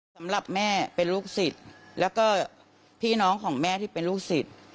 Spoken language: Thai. สำหรับแม่เป็นลูกศิษย์แล้วก็พี่น้องของแม่ที่เป็นลูกศิษย์